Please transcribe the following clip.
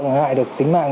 hại được tính mạng